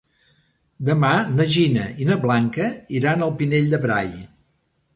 Demà na Gina i na Blanca iran al Pinell de Brai.